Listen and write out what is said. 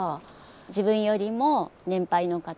自分よりも年配の方